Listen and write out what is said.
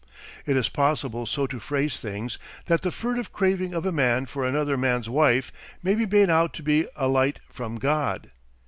It is possible so to phrase things that the furtive craving of a man for another man's wife may be made out to be a light from God.